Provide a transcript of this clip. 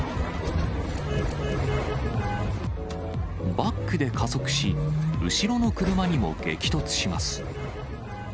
バックで加速し、後ろの車にも激突します。